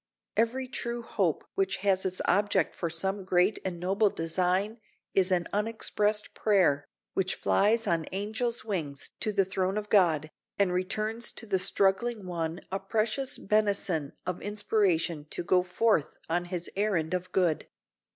Every true hope which has for its object some great and noble design is an unexpressed prayer, which flies on angel's wings to the throne of God, and returns to the struggling one a precious benison of inspiration to go forth on his errand of good.